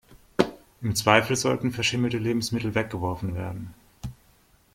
Im Zweifel sollten verschimmelte Lebensmittel weggeworfen werden.